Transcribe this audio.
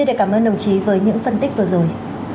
đồng chí với những phân tích vừa rồi